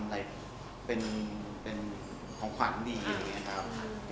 เราชอบงานพี่คงเดชอยู่รับรวยอะไรแบบนี้